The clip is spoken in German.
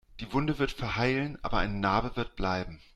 Die Wunde wird verheilen, aber eine Narbe wird bleiben.